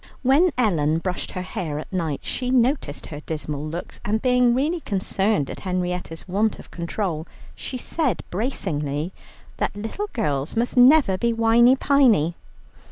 When Ellen brushed her hair at night she noticed her dismal looks, and being really concerned at Henrietta's want of control, she said bracingly that little girls must never be whiney piney.